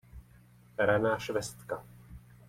Raná švestka.